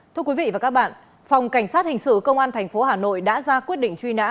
thưa quý vị và các bạn phòng cảnh sát hình sự công an tp hà nội đã ra quyết định truy nã